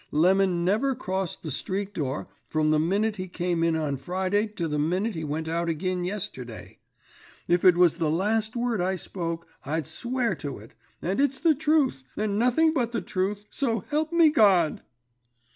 Lemon never crossed the street door from the minute he came in on Friday to the minute he went out agin yesterday. If it was the last word I spoke, I'd swear to it, and it's the truth, and nothing but the truth, so help me God!"